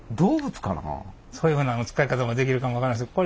そういうふうな使い方もできるかも分からんですけど